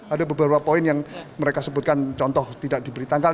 ada beberapa poin yang mereka sebutkan contoh tidak diberi tanggal